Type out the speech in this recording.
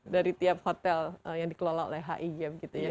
dari tiap hotel yang dikelola oleh hig gitu ya